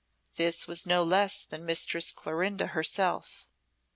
This was no less than Mistress Clorinda herself.